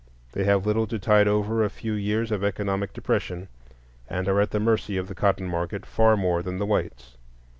They have little to tide over a few years of economic depression, and are at the mercy of the cotton market far more than the whites.